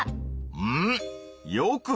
うん。